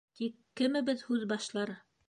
Тик кемебеҙ һүҙ башлар?